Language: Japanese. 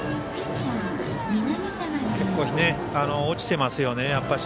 落ちていますよね。